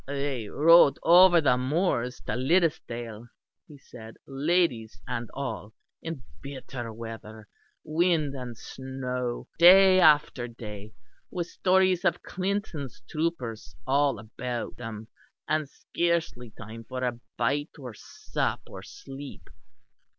"They rode over the moors to Liddisdale," he said, "ladies and all, in bitter weather, wind and snow, day after day, with stories of Clinton's troopers all about them, and scarcely time for bite or sup or sleep.